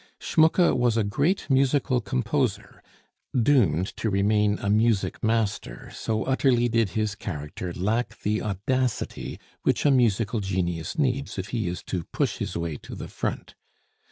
Schmucke was a great musical composer doomed to remain a music master, so utterly did his character lack the audacity which a musical genius needs if he is to push his way to the front.